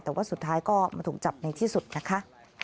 แต่ว่าสุดท้ายก็มาถูกจับในที่สุดนะคะ